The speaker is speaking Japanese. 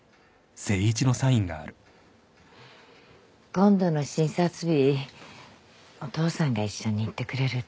今度の診察日お父さんが一緒に行ってくれるって。